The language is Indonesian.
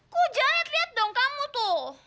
kok jangan liat liat dong kamu tuh